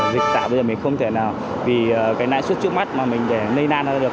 dịch tạo bây giờ mình không thể nào vì cái nại suất trước mắt mà mình để nây nan ra được